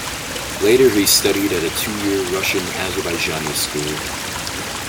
Later he studied at a two-year Russian-Azerbaijani school.